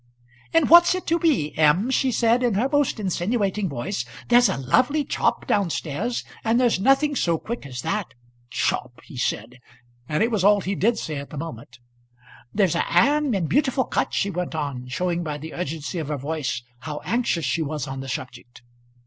"And what's it to be, M.?" she said in her most insinuating voice "there's a lovely chop down stairs, and there's nothing so quick as that." "Chop!" he said, and it was all he did say at the moment. "There's a 'am in beautiful cut," she went on, showing by the urgency of her voice how anxious she was on the subject.